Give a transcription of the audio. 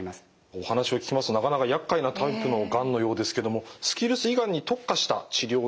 お話を聞きますとなかなかやっかいなタイプのがんのようですけどもスキルス胃がんに特化した治療などはあるんでしょうか？